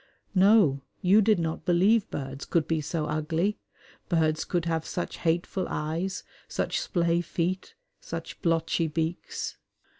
No! you did not believe birds could be so ugly, birds could have such hateful eyes, such splay feet, such blotchy beaks.